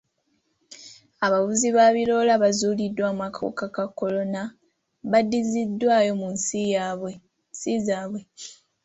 Abavuzi ba biroole abaazuuliddwamu akawuka ka kolona baddiziddwayo mu nsi zaabwe.